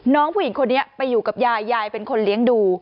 น้องผู้หญิงคนนี้ไปอยู่กับยายยายเป็นคนเลี้ยงดู